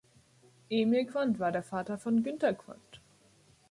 Emil Quandt war der Vater von Günther Quandt.